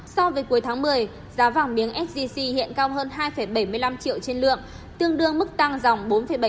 so với cuối tháng một mươi giá vàng miếng sgc hiện cao hơn hai bảy mươi năm triệu trên lượng tương đương mức tăng dòng bốn bảy